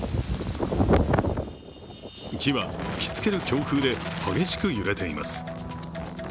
木は吹き付ける強風で激しく揺れています。